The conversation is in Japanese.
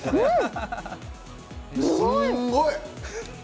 すんごい！